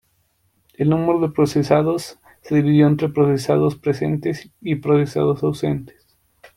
El número de procesados se dividió entre procesados presentes y procesados ausentes.